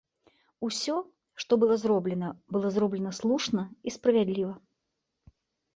Усё, што было зроблена, было зроблена слушна і справядліва!